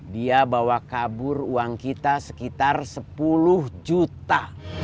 dia bawa kabur uang kita sekitar sepuluh juta